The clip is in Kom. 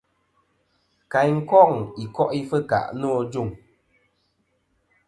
Kayn koŋ i ko'i fɨkà nô ajuŋ.